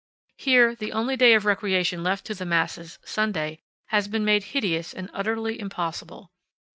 Here the only day of recreation left to the masses, Sunday, has been made hideous and utterly impossible.